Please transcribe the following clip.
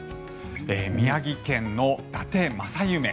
宮城県のだて正夢。